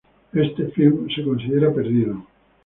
Este filme se considera perdido.